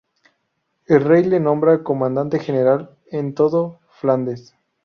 El rey le nombra comandante general en todo Flandes.